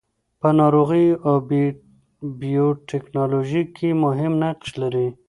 په ناروغیو او بیوټیکنالوژي کې مهم نقش لري.